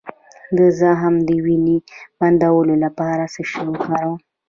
د زخم د وینې بندولو لپاره څه شی وکاروم؟